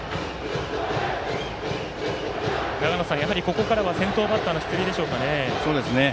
長野さん、やはりここからは先頭バッターの出塁でしょうかね。